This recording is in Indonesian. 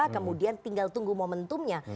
kemudian tinggal tunggu momentumnya